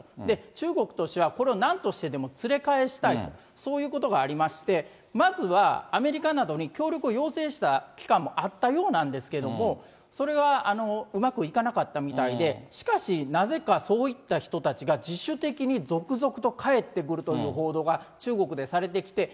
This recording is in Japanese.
中国としては、これをなんとしてでも連れかえしたいと、そういうことがありまして、まずはアメリカなどに協力を要請したきかんもあったようなんですけれども、それは、うまくいかなかったみたいで、しかし、なぜかそういった人たちが自主的に続々と帰ってくるという報道が、中国でされてきて、